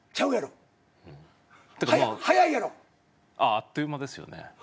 あっという間ですよね。